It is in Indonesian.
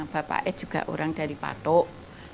bapak e juga orang dari patok